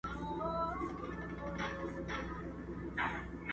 څوک په مال او دولت کله سړی کيږي